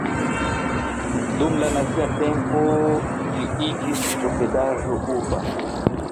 Dum la nazia tempo ĝi iĝis posedaĵo urba.